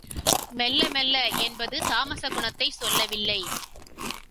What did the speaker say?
மெல்ல மெல்ல என்பது தாமச குணத்தைச் சொல்லவில்லை.